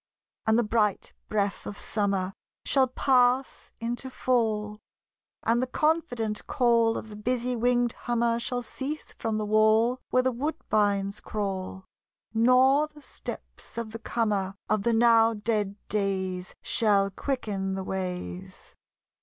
And the bright breath of summer Shall pass into fall; And the confident call Of the busy winged hummer Shall cease from the wall Where the woodbines crawl; Nor the steps of the comer Of the now dead days Shall quicken the ways.